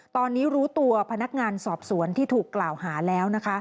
ตอนนี้รู้ตัวพนักงานสอบสวนที่ถูกกล่าวหาแล้วนะคะ